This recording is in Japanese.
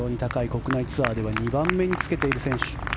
国内ツアーでは２番目につけている選手。